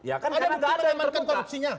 ada bukti pengamanan korupsinya